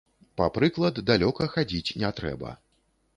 Па прыклад далёка хадзіць не трэба.